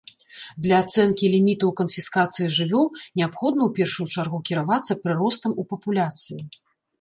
Для ацэнкі лімітаў канфіскацыі жывёл неабходна ў першую чаргу кіравацца прыростам у папуляцыі.